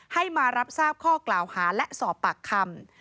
ให้มารับทราบข้อกล่าวหาและสอบปากคำ